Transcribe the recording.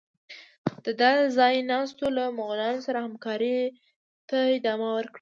د ده ځای ناستو له مغولانو سره همکارۍ ته ادامه ورکړه.